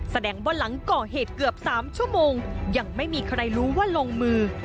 แสดงว่าหลังก่อเหตุเกือบ๓ชั่วโมงยังไม่มีใครรู้ว่าลงมือ